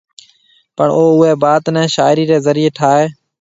پڻ او اوئي بات نيَ شاعري ري ذريعي ٺائيَ